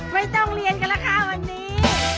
ไม่ต้องเรียนค่ะละค่ะวันนี้